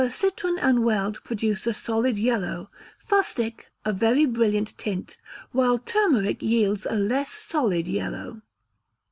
Quercitron and weld produce a solid yellow; fustic a very brilliant tint; while turmeric yields a less solid yellow.